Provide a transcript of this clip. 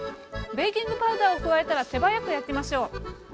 ベーキングパウダーを加えたら手早く焼きましょう。